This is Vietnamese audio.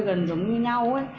gần giống như nhau ấy